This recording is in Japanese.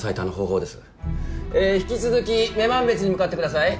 引き続き女満別に向かってください。